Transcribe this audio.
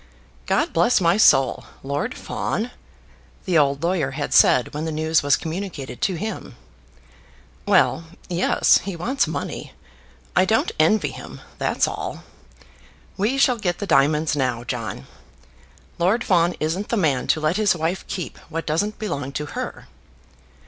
"God bless my soul; Lord Fawn!" the old lawyer had said when the news was communicated to him. "Well, yes; he wants money. I don't envy him; that's all. We shall get the diamonds now, John. Lord Fawn isn't the man to let his wife keep what doesn't belong to her."